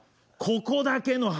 ここだけの話。